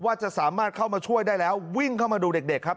ว่าจะสามารถเข้ามาช่วยได้แล้ววิ่งเข้ามาดูเด็กครับ